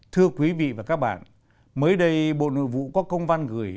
thưa quý vị và các bạn mới đây bộ nội vụ có công văn gửi